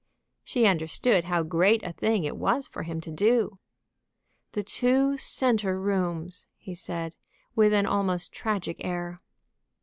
She understood how great a thing it was for him to do. "The two centre rooms!" he said, with an almost tragic air.